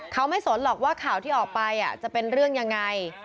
เขาไม่สนหรอกว่าข่าวที่ออกไปจะเป็นเรื่องยังไง